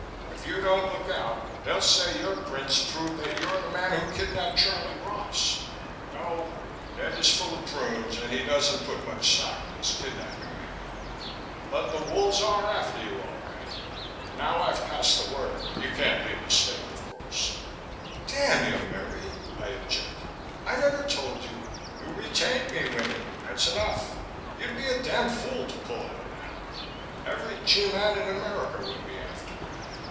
"If you don't look out they'll say your prints prove that you're the man who kidnapped Charley Ross. No, Ned is full of prunes and he doesn't put much stock in this kidnapping angle, but the wolves are after you all right. Now I've passed the word, you can't leave the State, of course." "Damn you, Merry," I objected. "I never told you " "You retained me, Winnie. That's enough. You'd be a damn fool to pull out now. Every G man in America would be after you.